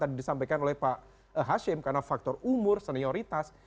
tadi disampaikan oleh pak hashim karena faktor umur senioritas